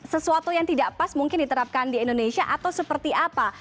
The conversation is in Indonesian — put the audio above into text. sesuatu yang tidak pas mungkin diterapkan di indonesia atau seperti apa